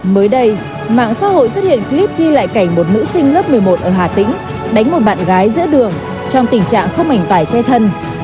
mới đây mạng xã hội xuất hiện clip ghi lại cảnh một nữ sinh lớp một mươi một ở hà tĩnh đánh một bạn gái giữa đường trong tình trạng không ảnh vải che thân